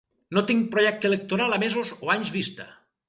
No tinc projecte electoral a mesos o anys vista.